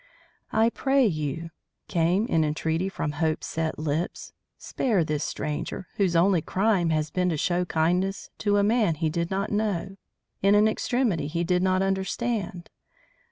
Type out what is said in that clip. "I pray you," came in entreaty from Hope's set lips, "spare this stranger, whose only crime has been to show kindness to a man he did not know, in an extremity he did not understand.